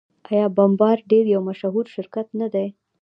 آیا بمبارډیر یو مشهور شرکت نه دی؟